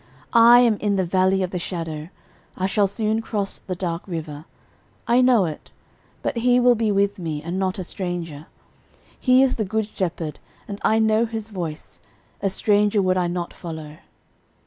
I am in the Valley of the Shadow I shall soon cross the dark river; I know it: but He will be with me, and 'not a stranger.' He is the Good Shepherd, and I know His voice; a stranger would I not follow.